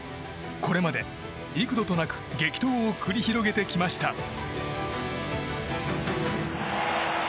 これまで、幾度となく激闘を繰り広げてきました。